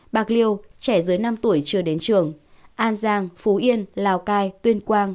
bạc liêu trẻ dưới năm tuổi chưa đến trường an giang phú yên lào cai tuyên quang